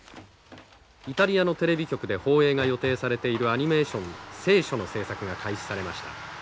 イタリアのテレビ局で放映が予定されているアニメーション「聖書」の制作が開始されました。